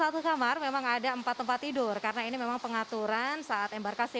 hai satu kamar memang ada empat tempat tidur karena ini memang pengaturan saat embarkasi